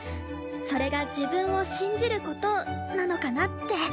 それが自分を信じることなのかなって。